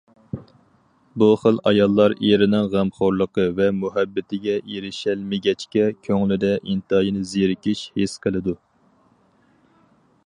بۇ خىل ئاياللار ئېرىنىڭ غەمخورلۇقى ۋە مۇھەببىتىگە ئېرىشەلمىگەچكە، كۆڭلىدە ئىنتايىن زېرىكىش ھېس قىلىدۇ.